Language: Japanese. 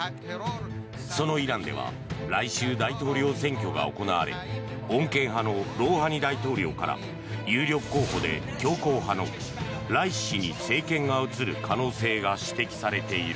そのイランでは来週大統領選挙が行われ穏健派のロウハニ大統領から有力候補で強硬派のライシ師に政権が移る可能性が指摘されている。